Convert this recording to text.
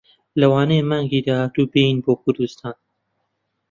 لەوانەیە مانگی داهاتوو بێین بۆ کوردستان.